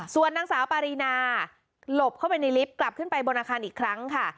ส่วนนางสาวปารีนาหลบเข้าไปในลิฟต์กลับขึ้นไปบนอาคารอีกครั้งค่ะ